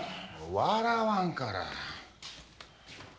笑わんから。